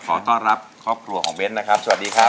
ขอต้อนรับครอบครัวของเบ้นนะครับสวัสดีครับ